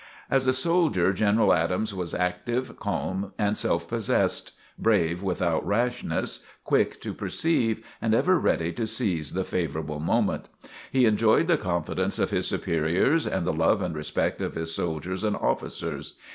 As a soldier, General Adams was active, calm and self possessed, brave without rashness, quick to perceive and ever ready to seize the favorable moment. He enjoyed the confidence of his superiors and the love and respect of his soldiers and officers.